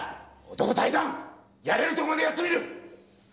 男泰山やれるとこまでやってみる！